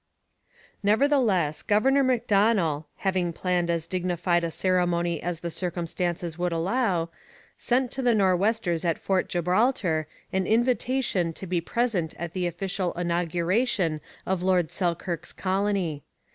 Nevertheless, Governor Macdonell, having planned as dignified a ceremony as the circumstances would allow, sent to the Nor'westers at Fort Gibraltar an invitation to be present at the official inauguration of Lord Selkirk's colony.